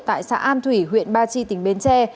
tại xã an thủy huyện ba chi tỉnh bến tre